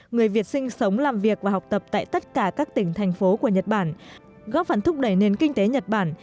người việt sinh sống làm việc và học tập tại tất cả các tỉnh thành phố của nhật bản góp phần thúc đẩy nền kinh tế nhật bản